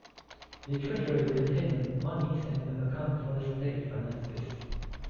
The treasury contained the monies and accounts of the state finances.